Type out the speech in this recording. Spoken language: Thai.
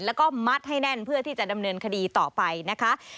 แล้วก็มัดให้แน่นเพื่อที่จะดำเนินคดีต่อไปนะคะ